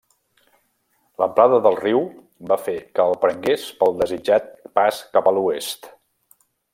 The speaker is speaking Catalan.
L'amplada del riu va fer que el prengués pel desitjat pas cap a l'oest.